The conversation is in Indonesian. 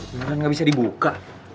beneran gak bisa dibuka